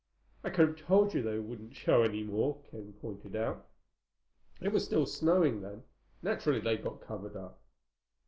"I could have told you they wouldn't show any more," Ken pointed out. "It was still snowing then. Naturally they got covered up."